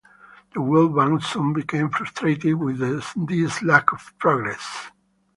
The World Bank soon became frustrated with this lack of progress.